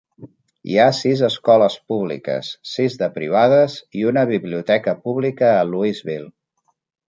Hi ha sis escoles públiques, sis de privades i una biblioteca pública a Louisville.